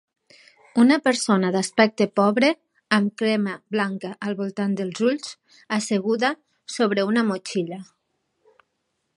una persona d'aspecte pobre amb crema blanca al voltant dels ulls asseguda sobre una motxilla.